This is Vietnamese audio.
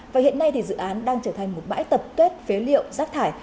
và hiện nay thì dự án đang trở thành một bãi tập kết phế liệu rác thải